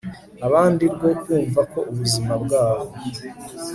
abandi rwo kumva ko ubuzima bwabo